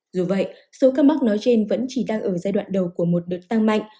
dù vậy số ca mắc nói trên vẫn chỉ đang ở giai đoạn đầu của một đợt tăng mạnh